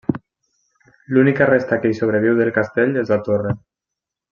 L'única resta que hi sobreviu del castell és la torre.